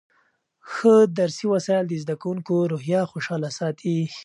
ښه درسي وسایل د زده کوونکو روحیه خوشحاله ساتي.